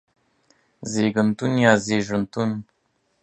زيږنتون يا زيژنتون